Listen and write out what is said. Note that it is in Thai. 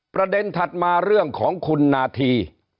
ประเด็นถัดมาเรื่องของคุณนาธี